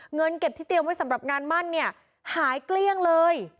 เงินเก็บที่เตรียมไว้สำหรับงานมั่นเนี่ยหายเกลี้ยงเลย